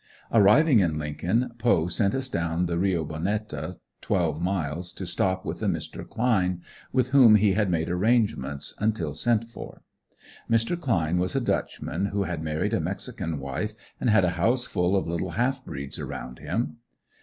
Arriving in Lincoln, Poe sent us down the Reo Bonetta, twelve miles, to stop with a Mr. Cline, with whom he had made arrangements, until sent for. Mr. Cline was a Dutchman who had married a mexican wife and had a house full of little half breeds around him.